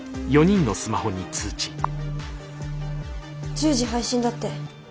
１０時配信だって。